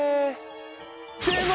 でも！